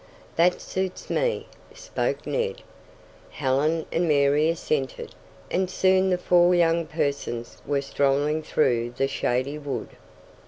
"That suits me," spoke Ned. Helen and Mary assented, and soon the four young persons were strolling through the shady wood.